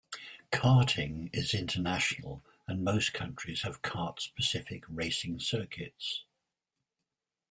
Karting is international and most countries have kart specific racing circuits.